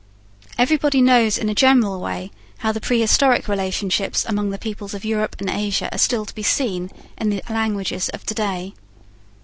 Everybody knows in a general way how the prehistoric relationships among the peoples of Europe and Asia are still to be seen in the languages of to day.